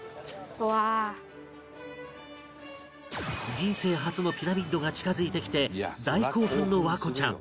人生初のピラミッドが近づいてきて大興奮の環子ちゃん